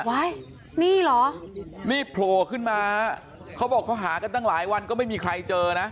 นี่เหรอนี่โผล่ขึ้นมาเขาบอกเขาหากันตั้งหลายวันก็ไม่มีใครเจอนะ